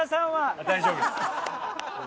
あっ大丈夫です。